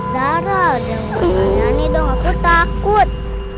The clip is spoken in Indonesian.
darah udah ngomong ngomong nyariin dong aku takut